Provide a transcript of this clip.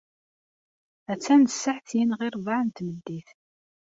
Attan d ssaɛtin ɣir rrbeɛ n tmeddit.